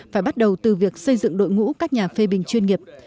phải bắt đầu từ việc xây dựng đội ngũ các nhà phê bình chuyên nghiệp